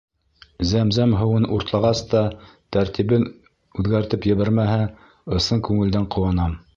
Зәм-зәм һыуын уртлағас та тәртибен үҙгәртеп ебәрмәһә, ысын күңелдән ҡыуанам.